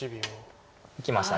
いきました。